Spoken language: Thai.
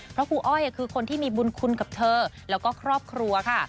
เพราะครูอ้อยคือคนที่มีบุญคุณกับเธอแล้วก็ครอบครัวค่ะ